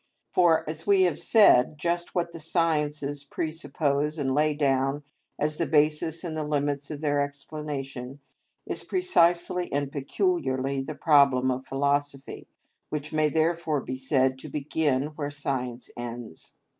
For, as we have said, just what the sciences presuppose and lay down as the basis and the limits of their explanation, is precisely and peculiarly the problem of philosophy, which may therefore be said to begin where science ends.